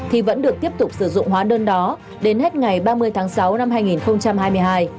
thì vẫn được tiếp tục sử dụng hóa đơn đó đến hết ngày ba mươi tháng sáu năm hai nghìn hai mươi hai